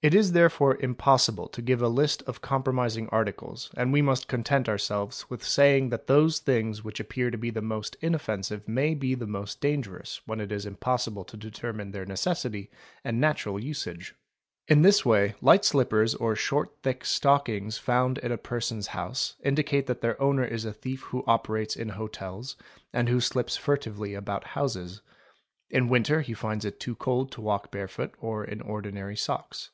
It is therefore impossible to give a list of com= promising articles and we must content ourselves with saying that those |* See also Chapter IX. (Wandering Tribes) and Chapter X. (Siperstition). THIEVES EQUIPMENT 679 things which appear to be the most inoffensive may be the most danger ous when it is impossible to determine their necessity and natural usage. In this way light slippers or short thick stockings found in a person's house indicate that their owner is a thief who operates in hotels and who slips furtively about houses: in winter he finds it too cold to walk bare foot or in ordinary socks.